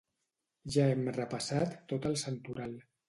Ja hem repassat tot el santoral